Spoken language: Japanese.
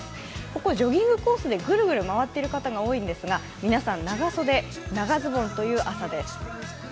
ここジョギングコースでぐるぐる回っている方が多いんですが皆さん、長袖、長ズボンという朝です。